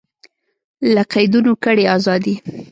له قیدونو کړئ ازادي